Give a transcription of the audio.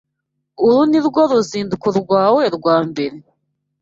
Uru nirwo ruzinduko rwawe rwa mbere?